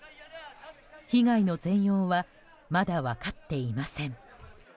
被害の全容はまだ分かっていません。